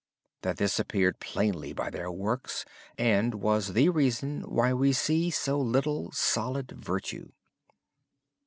This appeared plainly by their works and was the reason why we see so little solid virtue.